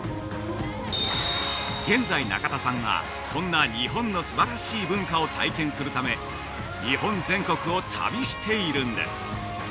現在、中田さんはそんな日本のすばらしい文化を体験するため日本全国を旅しているんです。